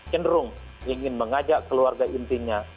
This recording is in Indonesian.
cenderung ingin mengajak keluarga intinya